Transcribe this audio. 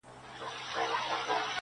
د یوې ورځي دي زر ډالره کیږي،